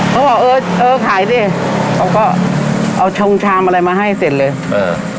เขาบอกเออเออขายดิเขาก็เอาชงชามอะไรมาให้เสร็จเลยเออ